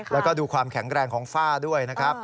แล้วก็ดูความแข็งแรงของฝ้าด้วยนะครับ